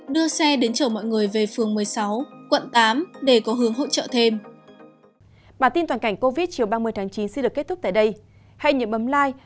đưa xe đến chở mọi người về phường một mươi sáu quận tám để có hướng hỗ trợ thêm